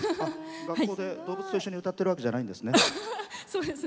学校と動物と一緒に歌ってるわけじゃないですね。